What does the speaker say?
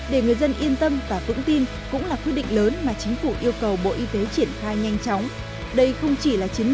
để người dân yên tâm cố gắng cho trận chiến cuối cùng này